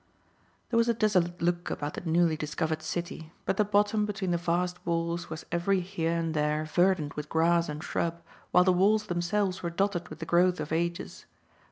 There was a desolate look about the newly discovered city, but the bottom between the vast walls was every here and there verdant with grass and shrub, while the walls themselves were dotted with the growth of ages.